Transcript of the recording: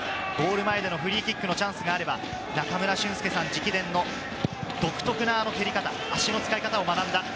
ゴール前でのフリーキックのチャンスがあれば中村俊輔さん直伝の独特な蹴り方、足の使い方を学んだ。